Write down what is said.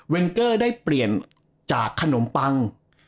เกอร์ได้เปลี่ยนจากขนมปัง